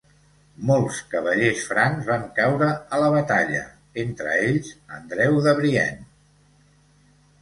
Molts cavallers francs van caure a la batalla, entre ells Andreu de Brienne.